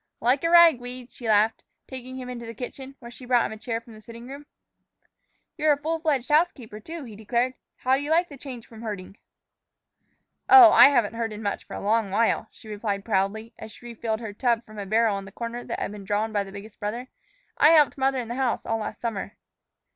"Like a ragweed," she laughed, taking him into the kitchen, where she brought him a chair from the sitting room. "You're a full fledged housekeeper, too," he declared. "How do you like the change from herding?" "Oh, I haven't herded much for a long while," she replied proudly, as she refilled her tub from a barrel in the corner that had been drawn by the biggest brother; "I helped mother in the house all last summer."